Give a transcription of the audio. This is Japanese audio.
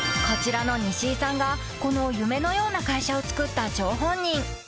［こちらの西井さんがこの夢のような会社をつくった張本人］